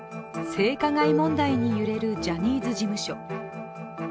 性加害問題に揺れるジャニーズ事務所。